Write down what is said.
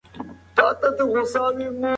تاسي مه بېدېږئ.